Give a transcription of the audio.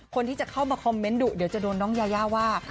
คนที่จะเข้ามาคอมเมนต์ดุเดี๋ยวจะโดนน้องยายาว่า